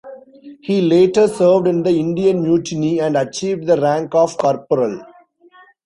He later served in the Indian Mutiny and achieved the rank of Corporal.